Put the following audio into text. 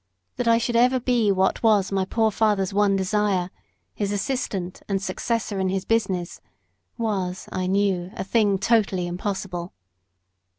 That I should ever be what was my poor father's one desire, his assistant and successor in his business, was, I knew, a thing totally impossible.